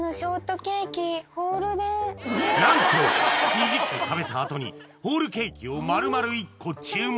２０個食べた後にホールケーキを丸々１個注文！